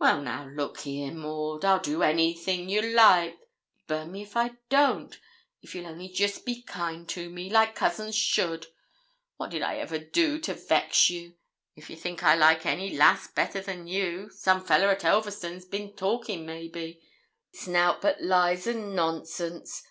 'Well, now, look here, Maud; I'll do anything you like burn me if I don't if you'll only jest be kind to me, like cousins should. What did I ever do to vex you? If you think I like any lass better than you some fellah at Elverston's bin talkin', maybe it's nout but lies an' nonsense.